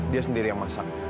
dia sendiri yang masak